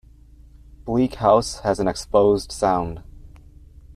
Bleak House has an exposed sound.